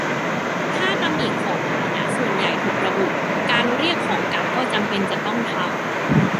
ถ้าตำหนิของพาหนะส่วนใหญ่ถูกระบุ การเรียกของกลับก็จำเป็นจะต้องทำ